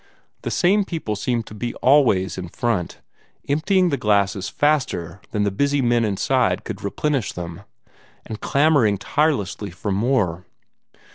The same people seemed to be always in front, emptying the glasses faster than the busy men inside could replenish them, and clamoring tirelessly for more.